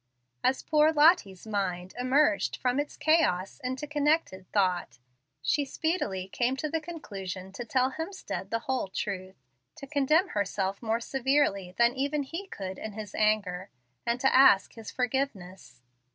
As poor Lottie's mind emerged from its chaos into connected thought, she speedily came to the conclusion to tell Hemstead the whole truth, to condemn herself more severely than even he could in his anger, and to ask his forgiveness.